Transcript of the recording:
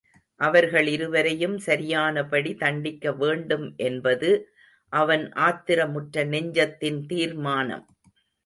அவர்களிருவரையும் சரியானபடி தண்டிக்க வேண்டும் என்பது அவன் ஆத்திரமுற்ற நெஞ்சத்தின் தீர்மானம்.